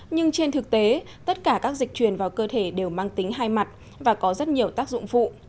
nhưng trên thực tế tất cả các dịch truyền vào cơ thể đều mang tính hai mặt và có rất nhiều tác dụng phụ